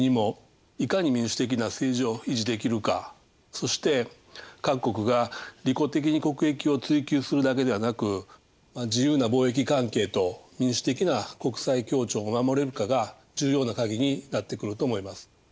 そして各国が利己的に国益を追求するだけではなく自由な貿易関係と民主的な国際協調を守れるかが重要な鍵になってくると思います。